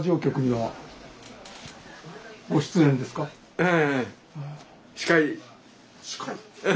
ええ。